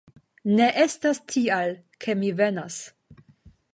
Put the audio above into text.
Ne estas tial, ke mi venas.